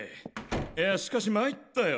いやしかし参ったよ